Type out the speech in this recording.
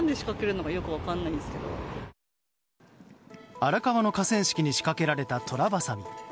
荒川の河川敷に仕掛けられたトラバサミ。